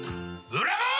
ブラボー！